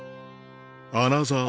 アナザー